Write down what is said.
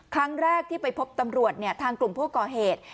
ครั้งแรกที่ไปพบตำรวจทางกลุ่มผู้ก่อเหตุ